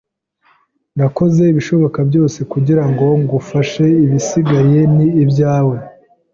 Nakoze ibishoboka byose kugirango ngufashe. Ibisigaye ni ibyawe.